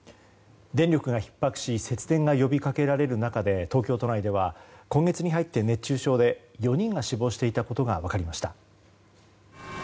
電力がひっ迫し節電が呼び掛けられる中で東京都内では今月に入って熱中症で４人が死亡していたことが分かりました。